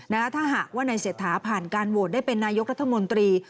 ถ้าหากว่าในเศรษฐาผ่านการโหวตได้เป็นนายกรัฐมนตรี